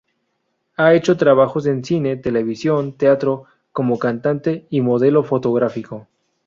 Ha hecho trabajos en cine, televisión, teatro, como cantante y modelo fotográfico.